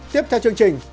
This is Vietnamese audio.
tiếp theo chương trình